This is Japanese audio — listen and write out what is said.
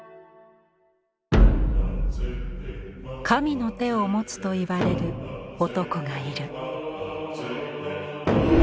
神の手を持つといわれる男がいる。